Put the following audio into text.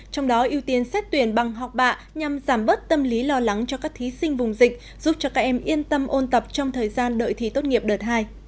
trong đó ưu tiên xét tuyển bằng học bạ nhằm giảm bớt tâm lý lo lắng cho các thí sinh vùng dịch giúp cho các em yên tâm ôn tập trong thời gian đợi thi tốt nghiệp đợt hai